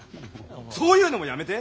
そういうのもやめて！